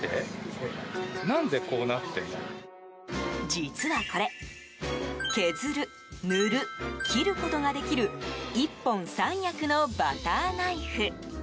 実はこれ削る、塗る、切ることができる１本３役のバターナイフ。